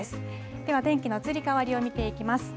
では、天気の移り変わりを見ていきます。